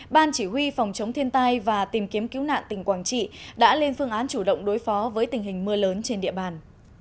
ban chỉ huy phòng chống thiên tai và tìm kiếm cứu nạn tỉnh quảng trị đã lên phương án chủ động đối phó với tình hình mưa lớn trên địa bàn